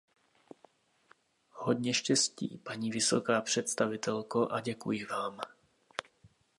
Hodně štěstí, paní vysoká představitelko, a děkuji vám.